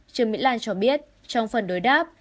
trương mỹ lan cho biết trong phần đối đáp